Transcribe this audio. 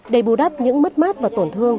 đầy bù đắp những mất mát và tổn thương